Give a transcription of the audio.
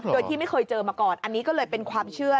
โดยที่ไม่เคยเจอมาก่อนอันนี้ก็เลยเป็นความเชื่อ